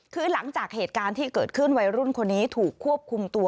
คือหลังจากเหตุการณ์ที่เกิดขึ้นวัยรุ่นคนนี้ถูกควบคุมตัว